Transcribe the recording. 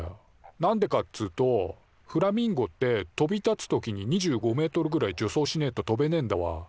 なんでかっつうとフラミンゴって飛び立つときに２５ｍぐらい助走しねえと飛べねえんだわ。